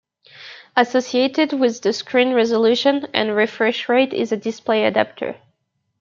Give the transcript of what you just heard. Associated with the screen resolution and refresh rate is a display adapter.